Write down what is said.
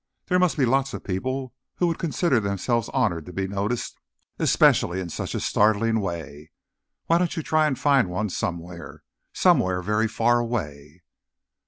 There must be lots of people who would consider themselves honored to be noticed, especially in such a startling way. Why don't you try and find one somewhere? Somewhere very far away."